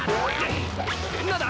何だ？